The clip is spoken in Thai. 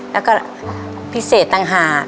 แล้วก็พิเศษต่างหาก